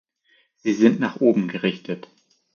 Sie sind nach oben gerichtet.